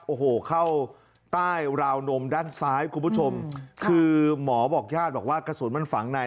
โอ้โหเข้าใต้ราวนมด้านซ้ายคุณผู้ชมคือหมอบอกญาติบอกว่ากระสุนมันฝังใน